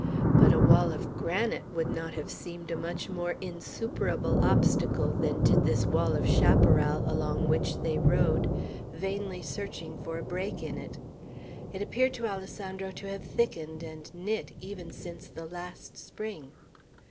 But a wall of granite would not have seemed a much more insuperable obstacle than did this wall of chaparral, along which they rode, vainly searching for a break in it. It appeared to Alessandro to have thickened and knit even since the last spring.